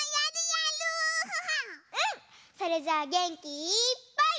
それじゃあげんきいっぱい。